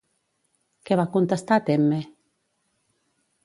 Què va contestar Temme?